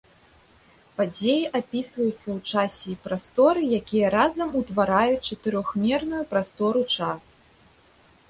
Падзеі апісваюцца ў часе і прасторы, якія разам утвараюць чатырохмерную прастору-час.